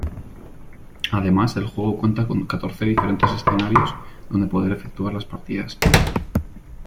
Además, el juego cuenta con catorce diferentes escenarios donde poder efectuar las partidas.